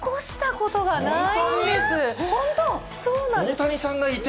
大谷さんがいて？